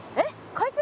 海水？